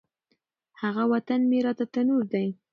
هغه وطن مي راته تنور دی